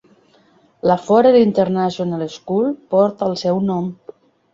La Forel International School porta el seu nom.